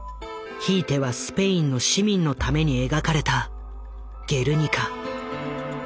ひいてはスペインの市民のために描かれた「ゲルニカ」。